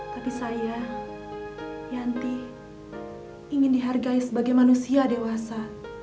tapi sayang yanti ingin dihargai sebagai manusia dewasa